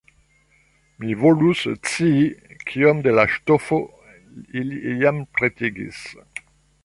Mi volus scii, kiom de la ŝtofo ili jam pretigis!